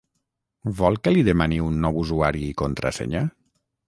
Vol que li demani un nou usuari i contrasenya?